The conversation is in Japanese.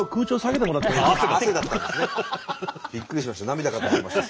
びっくりしました。